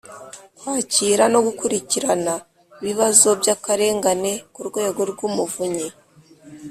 Kwakira no gukurikirana ibibazo by akarengane ku Rwego rw Umuvunyi